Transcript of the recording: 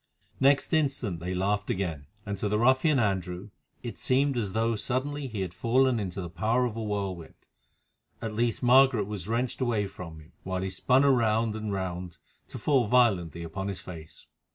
Next instant they laughed again, and to the ruffian Andrew it seemed as though suddenly he had fallen into the power of a whirlwind. At least Margaret was wrenched away from him, while he spun round and round to fall violently upon his face.